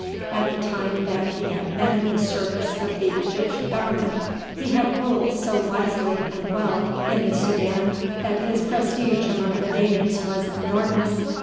At the time that he had been in the service of the Egyptian government he had ruled so wisely and well in the Soudan that his prestige among the natives was enormous.